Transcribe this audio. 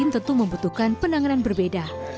tentu membutuhkan penanganan berbeda